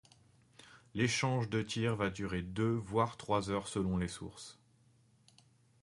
L'échange de tirs va durer deux voire trois heures selon les sources.